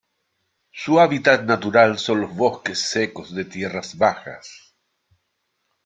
Su hábitat natural son los bosques secos de tierras bajas.